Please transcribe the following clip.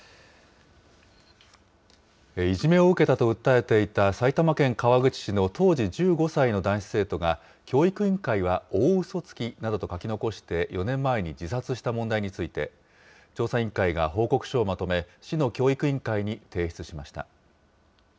いじめを受けたと訴えていた埼玉県川口市の当時１５歳の男子生徒が、教育委員会は大ウソつきなどと書き残して４年前に自殺した問題について、調査委員会が報告書をまとめ、市の教育委員会に提出しました。